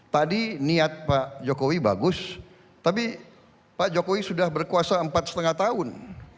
tadi niat pak jokowi bagus tapi pak jokowi sudah berkuasa empat lima tahun